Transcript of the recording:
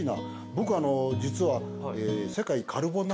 僕実は。